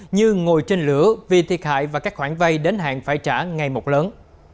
như ngồi trên lửa vì thiệt hại và các khoản vay đến hạn phải trả ngày một lớn